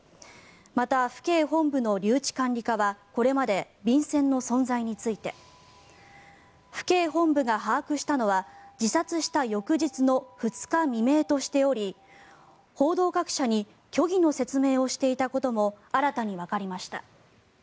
また、府警本部の留置管理課はこれまで便せんの存在について府警本部が把握したのは自殺した翌日の２日未明としており報道各社に虚偽の説明をしていたことも新たにわかりました。